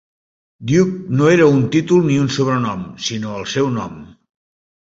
"Duke" no era un títol ni un sobrenom, sinó el seu nom.